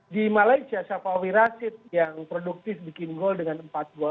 di malaysia safawi rasid yang produktif bikin gol dengan empat gol